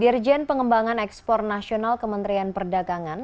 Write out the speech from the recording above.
dirjen pengembangan ekspor nasional kementerian perdagangan